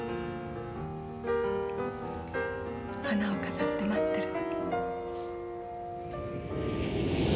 花を飾って待ってる。